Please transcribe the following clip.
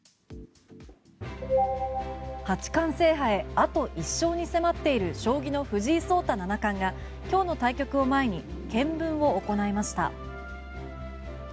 八冠制覇へあと１勝に迫っている将棋の藤井聡太七冠が今日の対局を前に検分を行いました。